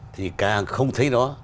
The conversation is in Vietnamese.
thì càng không thấy nó